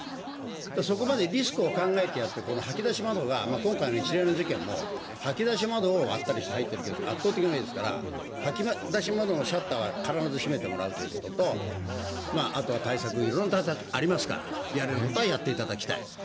そこまでリスクを考えてやって掃き出し窓が今回の一連の事件も掃き出し窓を割って入るケースが圧倒的に多いですから掃き出し窓のシャッターは必ず閉めてもらうということとあとは対策、色々ありますからやれることはやっていただきたい。